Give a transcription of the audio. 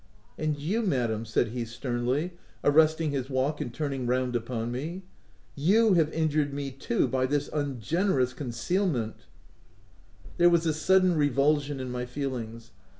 " And you, Madam/' said he sternly, arrest ing his walk and turning round upon me —" you have injured me too, by this ungenerous concealment I" There was a sudden revulsion in my feelings.